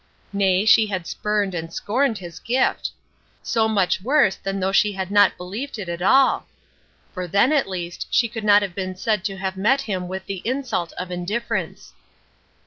Nay, she had spurned and scorned his gift! So much worse than though she had not believed it at all! For then at least she could not have been said to have met him with the insult of indifference.